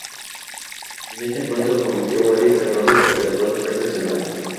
En este encuentro cometió varios errores por el cual fue sancionado.